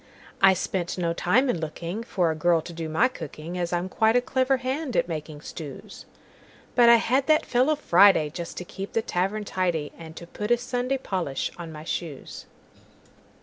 I spent no time in lookingFor a girl to do my cooking, As I'm quite a clever hand at making stews; But I had that fellow Friday, Just to keep the tavern tidy, And to put a Sunday polish on my shoes.